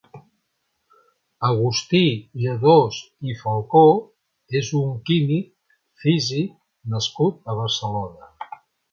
Agustí Lledós i Falcó és un químic físic nascut a Barcelona.